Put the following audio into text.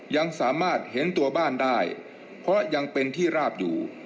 ยังสามารถเห็นตัวบ้านได้เพราะยังเป็นที่ราบอยู่